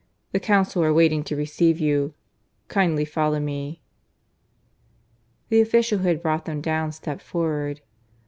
"The Council are waiting to receive you. Kindly follow me." The official who had brought them down stepped forward.